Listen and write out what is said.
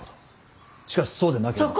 しかしそうでなければ。